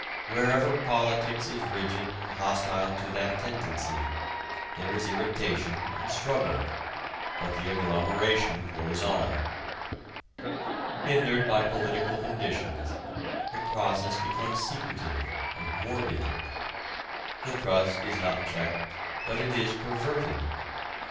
Wherever politics is rigid and hostile to that tendency, there is irritation and struggle, but the agglomeration goes on. Hindered by political conditions, the process becomes secretive and morbid. The trust is not checked, but it is perverted.